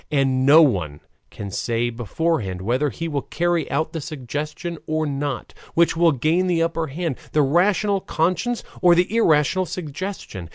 And no one can say beforehand whether he will carry out the suggestion or not; which will gain the upper hand, the rational conscience or the irrational suggestion.